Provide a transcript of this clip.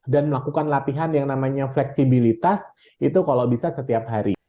dan melakukan latihan yang namanya fleksibilitas itu kalau bisa setiap hari